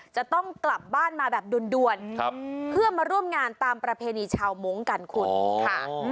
จะต้องกลับบ้านมาแบบด่วนเพื่อมาร่วมงานตามประเพณีชาวมงค์กันคุณค่ะ